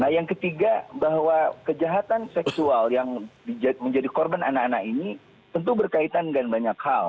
nah yang ketiga bahwa kejahatan seksual yang menjadi korban anak anak ini tentu berkaitan dengan banyak hal